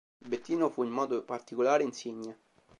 Bettino fu in modo particolare insigne.